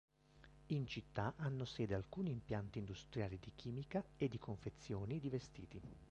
In città hanno sede alcuni impianti industriali di chimica e di confezioni di vestiti.